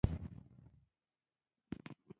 _زه نه وم خبر.